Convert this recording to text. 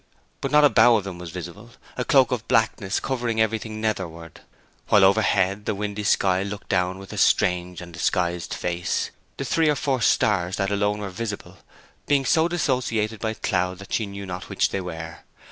But not a bough of them was visible, a cloak of blackness covering everything netherward; while overhead the windy sky looked down with a strange and disguised face, the three or four stars that alone were visible being so dissociated by clouds that she knew not which they were.